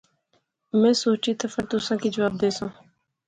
میں سوچی تے فیر تساں کی جواب دیساں